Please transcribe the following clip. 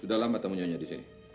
sudah lama temunya nya disini